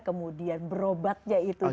kemudian berobatnya itu